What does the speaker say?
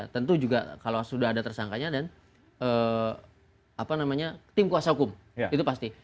tentu juga kalau sudah ada tersangkanya dan tim kuasa hukum itu pasti